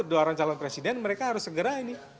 dua orang calon presiden mereka harus segera ini